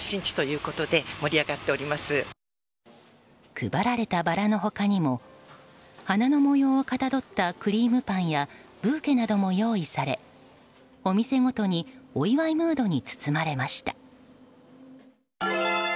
配られたバラの他にも花の模様をかたどったクリームパンやブーケなども用意されお店ごとにお祝いムードに包まれました。